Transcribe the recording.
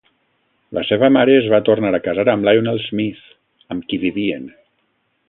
La seva mare es va tornar a casar amb Lionel Smith, amb qui vivien.